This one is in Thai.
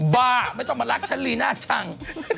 บ้าไม่ต้องมารักฉันลีน่าจัง